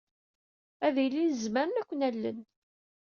Ad ilin zemren ad ken-allen.